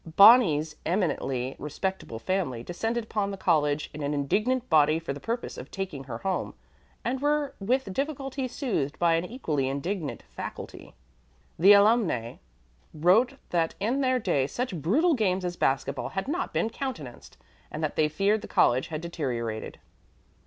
Bonnie's eminently respectable family descended upon the college in an indignant body for the purpose of taking her home, and were with difficulty soothed by an equally indignant faculty. The alumnæ wrote that in their day such brutal games as basket ball had not been countenanced, and that they feared the college had deteriorated.